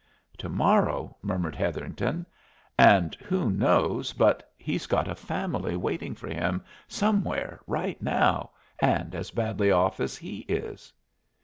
"To morrow!" murmured Hetherington. "And who knows but he's got a family waiting for him somewhere right now, and as badly off as he is."